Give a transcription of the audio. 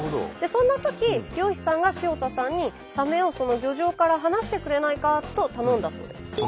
そんなとき漁師さんが塩田さんにサメを漁場から離してくれないかと頼んだそうです。